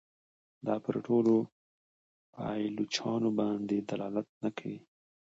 دا پر ټولو پایلوچانو باندي دلالت نه کوي.